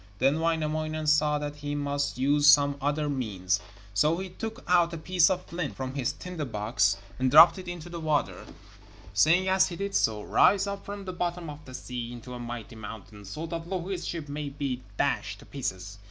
Then Wainamoinen saw that he must use some other means, so he took out a piece of flint from his tinder box and dropped it into the water, saying as he did so: 'Rise up from the bottom of the sea into a mighty mountain, so that Louhi's ship may be dashed to pieces.'